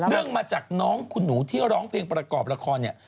มาจากน้องคุณหนูที่ร้องเพลงประกอบละครเนี่ย